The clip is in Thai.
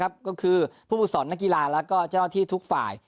ผู้ปวดสนนกีฬาแล้วก็ทิศทุกฝ่าย